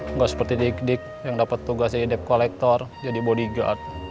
enggak seperti dik dik yang dapat tugas jadi debt collector jadi bodyguard